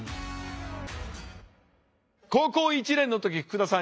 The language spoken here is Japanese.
高校１年の時福田さん